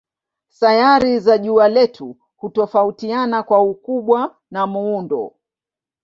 Sayari za jua letu hutofautiana kwa ukubwa na muundo.